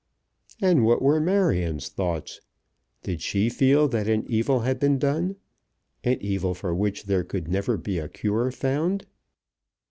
And what were Marion's thoughts? Did she feel that an evil had been done, an evil for which there could never be a cure found?